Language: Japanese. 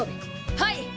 はい。